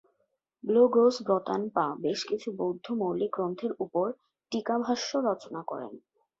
ব্লো-গ্রোস-ব্র্তান-পা বেশ কিছু বৌদ্ধ মৌলিক গ্রন্থের ওপর টীকাভাষ্য রচনা করেন।